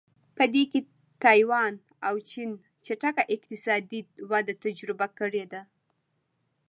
په دې کې تایوان او چین چټکه اقتصادي وده تجربه کړې ده.